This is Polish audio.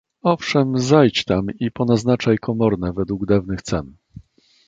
"Owszem zajdź tam i ponaznaczaj komorne według dawnych cen."